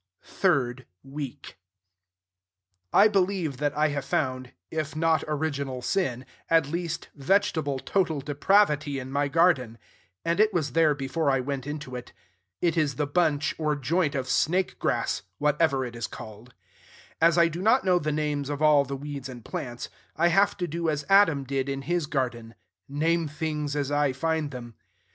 THIRD WEEK I believe that I have found, if not original sin, at least vegetable total depravity in my garden; and it was there before I went into it. It is the bunch, or joint, or snakegrass, whatever it is called. As I do not know the names of all the weeds and plants, I have to do as Adam did in his garden, name things as I find them.